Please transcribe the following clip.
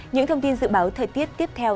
những thông tin dự báo thời tiết tiếp theo